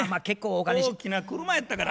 大きな車やったから。